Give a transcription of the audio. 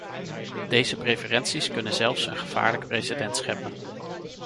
Deze preferenties kunnen zelfs een gevaarlijk precedent scheppen.